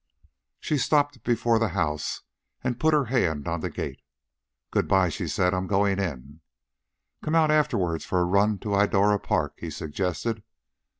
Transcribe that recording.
She stopped before the house and put her hand on the gate. "Good bye," she said. "I'm going in." "Come on out afterward for a run to Idora Park," he suggested.